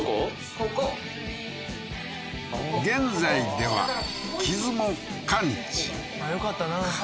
ここ現在では傷も完治よかったな